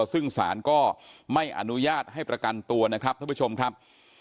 ซึ่งศาลก็ไม่อนุญาตให้ประกันตัวนะครับท่านผู้ชมครับ